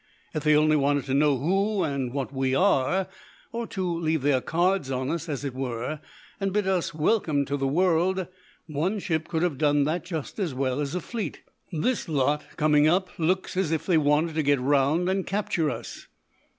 "If they only wanted to know who and what we are, or to leave their cards on us, as it were, and bid us welcome to the world, one ship could have done that just as well as a fleet. This lot coming up looks as if they wanted to get round and capture us."